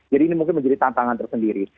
jadi ini mungkin menjadi tantangan tersendiri